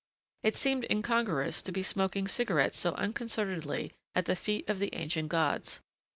It seemed incongruous to be smoking cigarettes so unconcernedly at the feet of the ancient gods.